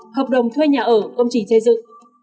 hợp đồng thuê nhà ở công trình xây dựng